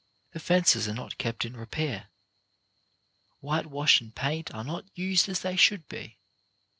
The fences are not kept in repair. Whitewash and paint are not used as they should be.